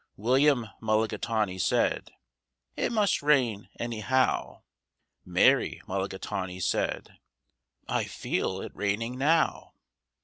William Mulligatawny said, "It must rain, anyhow." Mary Mulligatawny said, "I feel it raining now."